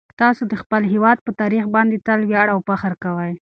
تاسو د خپل هیواد په تاریخ باندې تل ویاړ او فخر کوئ.